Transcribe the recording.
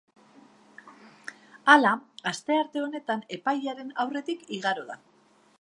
Hala, astearte honetan epailearen aurretik igaro da.